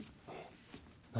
何？